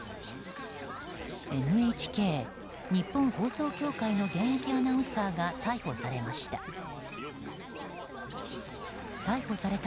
ＮＨＫ・日本放送協会の現役アナウンサーが逮捕されました。